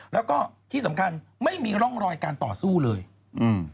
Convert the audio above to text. แล้วก็ที่สำคัญไม่มีร่องรอยการต่อสู้เลยอืม